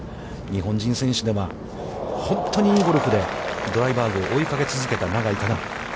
日本人選手では、本当にいいゴルフで、ドライバーグを追いかけ続けた永井花奈。